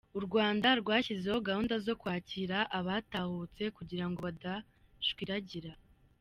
U Rwanda rwashyizeho gahunda zo kwakira abatahutse kugirango badashwiragira.